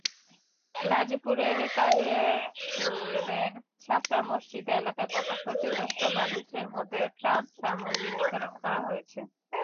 গাজীপুরের কালিয়াকৈরের ছাপড়া মসজিদ এলাকায় বন্যায় ক্ষতিগ্রস্ত মানুষের মধ্যে ত্রাণসামগ্রী বিতরণ করা হয়েছে।